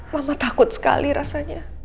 mama takut sekali rasanya